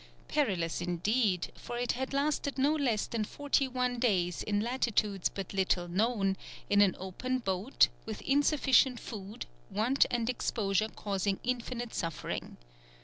Perilous, indeed, for it had lasted no less than forty one days in latitudes but little known, in an open boat, with insufficient food, want and exposure causing infinite suffering.